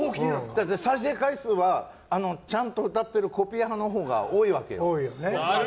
再生回数はちゃんと歌ってるコピー派のほうが多いわけよ。